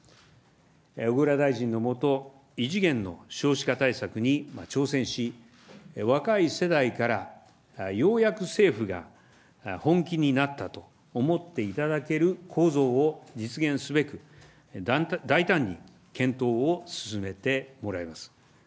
小倉大臣の下、異次元の少子化対策に挑戦し、若い世代から、ようやく政府が本気になったと思っていただける構造を実現すべく、大胆に検討を進めてもらいます。